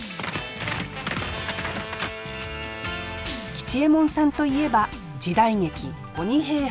吉右衛門さんといえば時代劇「鬼平犯科帳」。